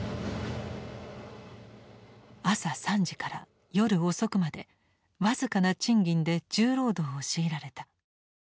朝３時から夜遅くまで僅かな賃金で重労働を強いられた。